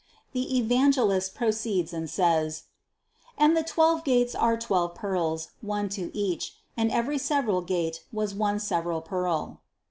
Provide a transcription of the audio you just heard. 297. The Evangelist proceeds and says: "And the twelve gates are twelve pearls, one to each; and every several gate was of one several pearl."